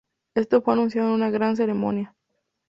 Esto fue anunciado en una gran ceremonia.